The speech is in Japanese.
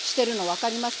分かります